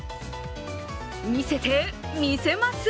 見せてみせます。